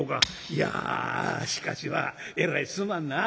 いやしかしまあえらいすまんな。